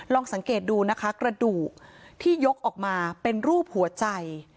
ลองสังเกตดูนะคะกระดูกที่ยกออกมาเป็นรูปหัวใจ